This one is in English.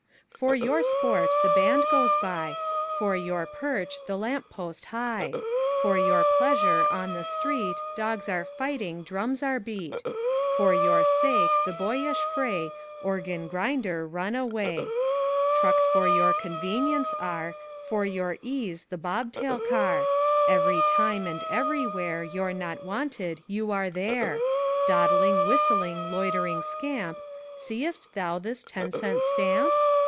For your sport, the band goes by; For your perch, the lamp post high; For your pleasure, on the street Dogs are fighting, drums are beat; For your sake, the boyish fray, Organ grinder, run away; Trucks for your convenience are; For your ease, the bob tail car; Every time and everywhere You're not wanted, you are there. Dawdling, whistling, loit'ring scamp, Seest thou this ten cent stamp?